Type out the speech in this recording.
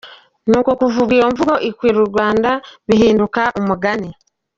Nuko kuva ubwo iyo mvugo ikwira u Rwanda bihinduka umugani.